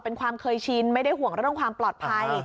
เป็นความเคยชินไม่ได้ห่วงเรื่องความปลอดภัย